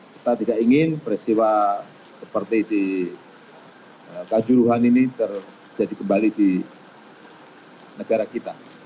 kita tidak ingin peristiwa seperti di kanjuruhan ini terjadi kembali di negara kita